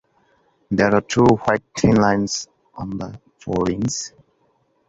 There are two white thin lines on the forewings.